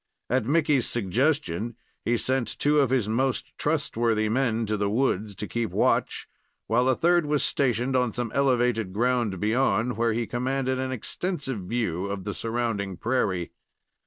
At Mickey's suggestion, he sent two of his most trustworthy men to the woods to keep watch, while a third was stationed on some elevated ground beyond, where he commanded an extensive view of the surrounding prairie.